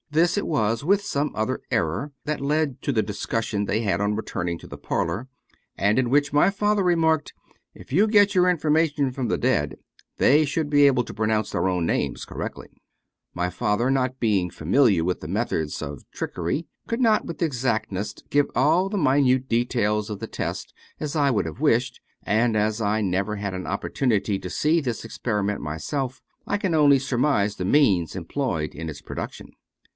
This it was, with some other error, that led to the discussion they had on returning to the parlor, and in which my father re marked, " If you get your information from the dead, they should be able to pronounce their own names correctly." 254 David P. Abbott My father, not being familiar with the methods of trick ery, could not with exactness give all the minute details of the test as I would have wished ; and as I never had an opportunity to see this experiment myself, I can only sur mise the means employed in its production.